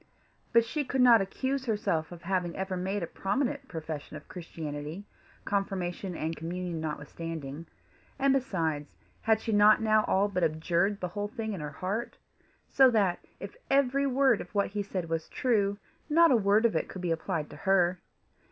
But she could not accuse herself of having ever made a prominent profession of Christianity, confirmation and communion notwithstanding; and besides, had she not now all but abjured the whole thing in her heart? so that, if every word of what he said was true, not a word of it could be applied to her!